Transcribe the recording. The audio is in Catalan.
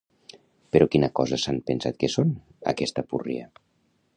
Però quina cosa s'han pensat que són, aquesta púrria?